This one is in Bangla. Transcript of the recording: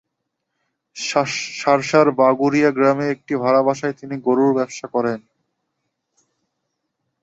শার্শার বাগুড়িয়া গ্রামে একটি ভাড়া বাসায় থেকে গরুর ব্যবসা করেন তিনি।